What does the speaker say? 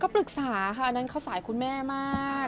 ปรึกษาค่ะอันนั้นเขาสายคุณแม่มาก